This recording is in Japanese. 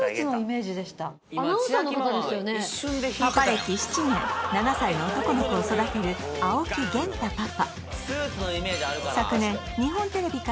パパ歴７年７歳の男の子を育てる青木源太パパ